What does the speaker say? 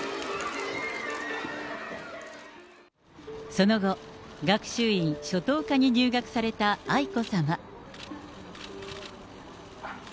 その後、学習院初等科に入学された愛子さま。